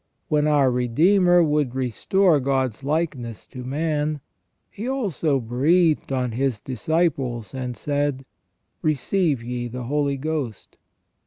When our Redeemer would restore God's likeness to man, He also breathed on His disciples, and said :' Receive ye the Holy Ghost